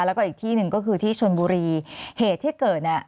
แล้วก็อีกที่หนึ่งก็คือที่ชนบุรีเหตุที่เกิดเนี่ย